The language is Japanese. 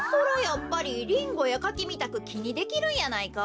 やっぱりリンゴやカキみたくきにできるんやないか？